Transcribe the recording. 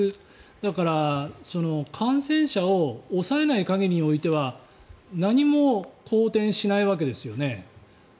だから、感染者を抑えない限りにおいては何も好転しないわけですよね。